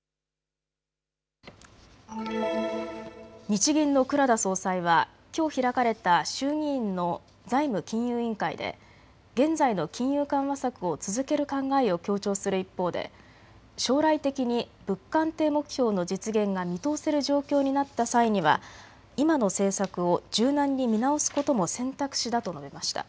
日銀の黒田総裁はきょう開かれた衆議院の財務金融委員会で現在の金融緩和策を続ける考えを強調する一方で将来的に物価安定目標の実現が見通せる状況になった際には今の政策を柔軟に見直すことも選択肢だと述べました。